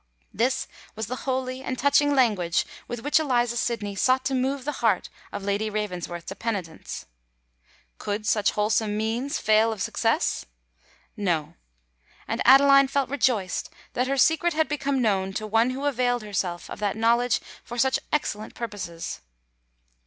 This was the holy and touching language with which Eliza Sydney sought to move the heart of Lady Ravensworth to penitence. Could such wholesome means fail of success? No:—and Adeline felt rejoiced that her secret had become known to one who availed herself of that knowledge for such excellent purposes!